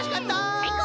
さいこう！